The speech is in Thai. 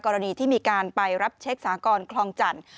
กรณีที่มีการไปรับเช็คสากรคลองจันทร์